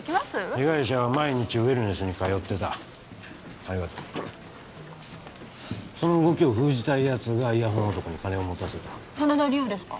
被害者は毎日ウェルネスに通ってたありがとうその動きを封じたいやつがイヤホン男に金を持たせた真田梨央ですか？